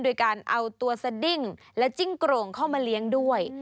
โดยการเอาตัวสดิ้งและจิ้งโกร่งเข้ามาเลี้ยงด้วย